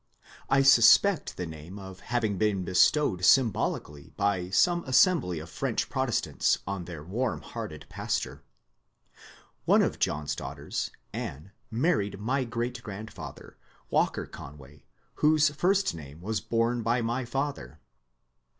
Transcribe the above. I suspect the name of having been bestowed symbolically by some assem bly of French Protestants on their warm hearted pastor. One of John's daughters, Anne, married my great grandfather. Walker Conway, whose first name was borne by my father.